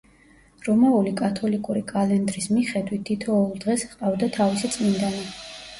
რომაული კათოლიკური კალენდრის მიხედვით, თითოეულ დღეს ჰყავდა თავისი წმინდანი.